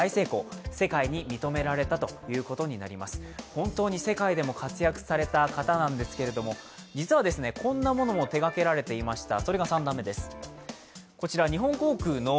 本当に世界でも活躍された方なんですけれども、実はですね、こんなものも手がけられていました。